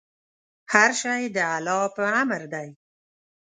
هر شی د الله په امر دی.